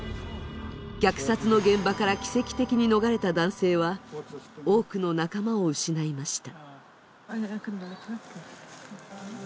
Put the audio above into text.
虐殺の現場から奇跡的に逃れた男性は多くの仲間を失いました。